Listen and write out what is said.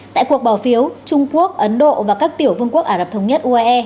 tại cuộc bỏ phiếu trung quốc ấn độ và các tiểu vương quốc ả rập thống nhất uae